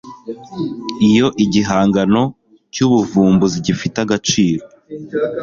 iyo igihangano cy ubuvumbuzi gifite agaciro